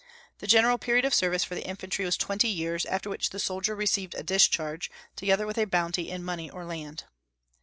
The general period of service for the infantry was twenty years, after which the soldier received a discharge, together with a bounty in money or land.